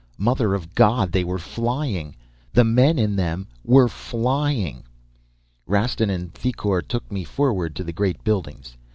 Mother of God, they were flying! The men in them were flying! "Rastin and Thicourt took me forward to the great buildings.